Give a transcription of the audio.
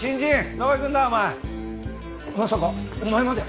まさかお前まで。